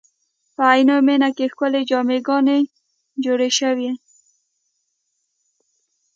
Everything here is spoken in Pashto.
په عینومېنه کې ښکلې جامع ګانې جوړې شوې.